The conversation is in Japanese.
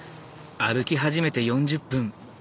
歩き始めて４０分。